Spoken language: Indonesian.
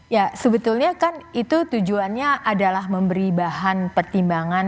ya sebetulnya kan itu tujuannya adalah memberi bahan pertimbangan